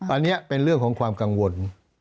อันนี้เป็นเรื่องของความกังวล